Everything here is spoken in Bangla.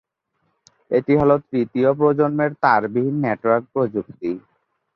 এটি হল তৃতীয় প্রজন্মের তারবিহীন নেটওয়ার্ক প্রযুক্তি।